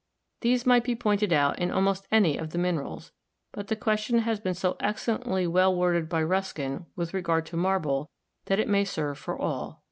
These might be pointed out in almost any of the minerals, but the question has been so excellently well worded by Ruskin with regard to marble that it may serve for all.